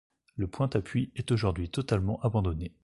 Le point-appui est aujourd’hui totalement abandonné.